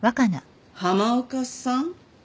浜岡さん。